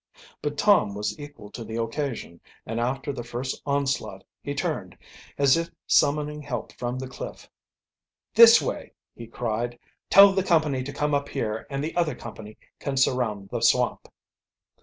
But Tom was equal to the occasion, and after the first onslaught he turned, as if summoning help from the cliff. "This way!" he cried. "Tell the company to come up here and the other company can surround the swamp!"